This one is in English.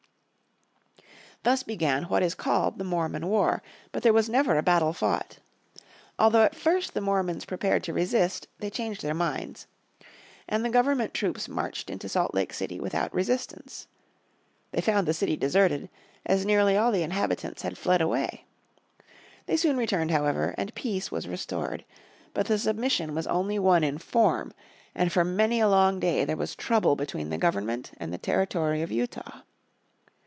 Thus began what is called the Mormon War. But there was never a battle fought. Although at first the Mormons prepared to resist, they changed their minds. And the Government troops marched into Salt Lake City without resistance. They found the city deserted, as nearly all the inhabitants had fled away. They soon returned, however, and "peace" was restored. But the submission was only one in form, and for many a long day there was trouble between the Government and the Territory of Utah.